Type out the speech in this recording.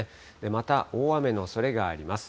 また、大雨のおそれがあります。